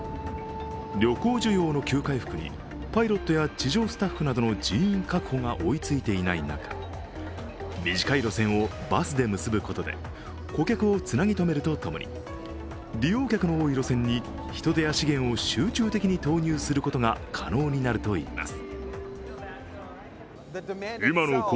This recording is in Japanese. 旅行需要の急回復にパイロットや地上スタッフなどの人員確保が追いついていない中、短い路線をバスで結ぶことで顧客をつなぎ止めるとともに利用客の多い路線に人手や資源を集中的に投入することが可能になるといいます。